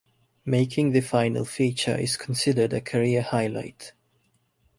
Making the final feature is considered a career highlight.